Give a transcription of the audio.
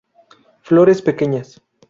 Flores pequeñas.